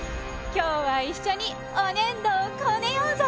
今日は一緒におねんどをこねようぞ！